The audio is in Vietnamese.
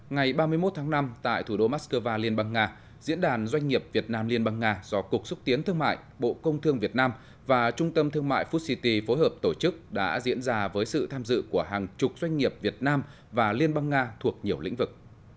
ngày ba mươi một tháng năm tại thủ đô moscow liên bang nga diễn đàn doanh nghiệp việt nam liên bang nga do cục xúc tiến thương mại bộ công thương việt nam và trung tâm thương mại food city phối hợp tổ chức đã diễn ra với sự tham dự của hàng chục doanh nghiệp việt nam và liên bang nga thuộc nhiều lĩnh vực